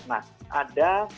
nah ada ekonomi